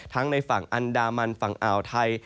ในฝั่งอันดามันฝั่งอ่าวไทย